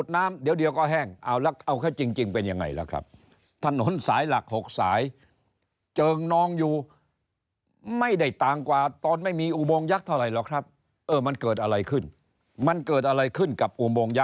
เนี่ยไม่ต้องห่วง